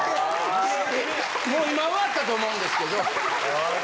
もう今終わったと思うんですけど。